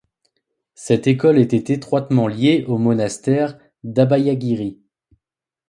Cette école était étroitement liée au monastère d'Abhayagiri.